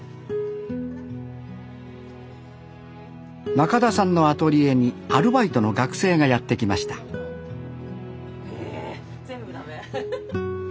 なかださんのアトリエにアルバイトの学生がやって来ましたえ全部駄目？